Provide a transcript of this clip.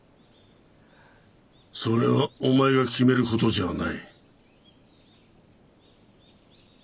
それはお前が決める事じゃない。